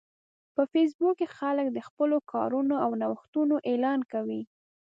په فېسبوک کې خلک د خپلو کارونو او نوښتونو اعلان کوي